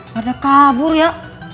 pada kabur ya